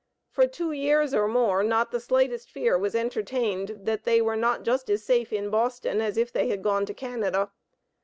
For two years or more, not the slightest fear was entertained that they were not just as safe in Boston as if they had gone to Canada.